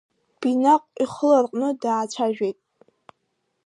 Бинаҟә ихы ларҟәны даацәажәеит.